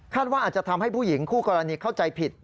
ว่าอาจจะทำให้ผู้หญิงคู่กรณีเข้าใจผิด